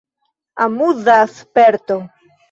Amuza sperto.